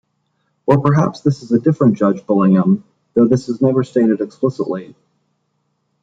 Or perhaps this is a different Judge Bullingham, though this is never stated explicitly.